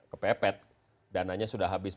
kepepet dananya sudah habis